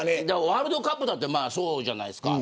ワールドカップもそうじゃないですか。